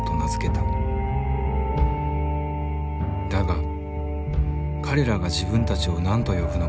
だが彼らが自分たちを何と呼ぶのか。